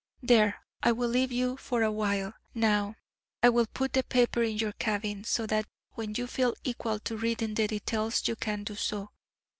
There, I will leave you for a while, now. I will put the paper in your cabin, so that when you feel equal to reading the details you can do so.